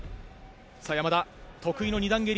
山田、得意の前蹴り。